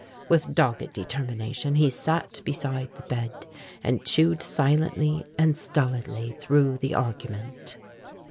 With dogged determination he sat beside the bed, and chewed silently and stolidly through the argument.